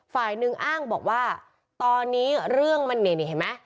ฝ่ายหนึ่งอ้างบอกว่าตอนนี้เรื่องมันนี่เห็นไหม